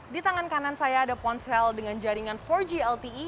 di tangan kanan saya ada ponsel dengan jaringan empat g lte